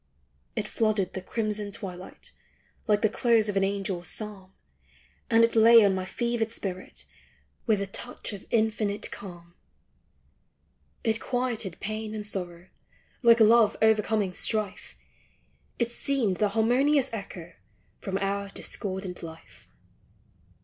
It flooded the crimson twilight, Like the close of an angel's psalm, And it lay on my fevered spirit, With a touch of infinite calm. It quieted pain and sorrow, Like love overcoming strife ; It seemed the harmonious echo From our discordant life.